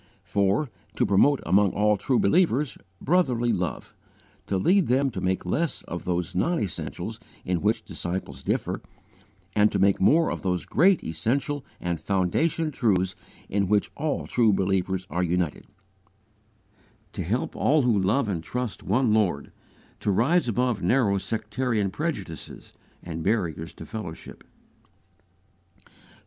4. To promote among all true believers, brotherly love; to lead them to make less of those non essentials in which disciples differ, and to make more of those great essential and foundation truths in which all true believers are united; to help all who love and trust one Lord to rise above narrow sectarian prejudices, and barriers to fellowship.